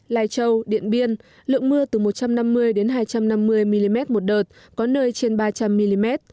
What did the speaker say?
lai châu điện biên lượng mưa từ một trăm năm mươi đến hai trăm năm mươi mm một đợt có nơi trên ba trăm linh mm